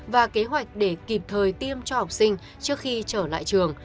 và kế hoạch để kịp thời tiêm cho học sinh trước khi trở lại trường